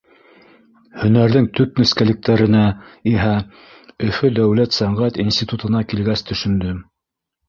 Һөнәрҙең төп нескәлектәренә иһә Өфө дәүләт сәнғәт институтына килгәс төшөндөм.